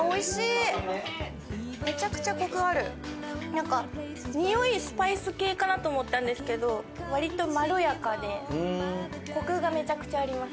なんかにおいスパイス系かなと思ったんですけど割とまろやかでコクがめちゃくちゃあります。